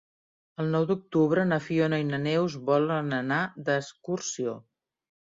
El nou d'octubre na Fiona i na Neus volen anar d'excursió.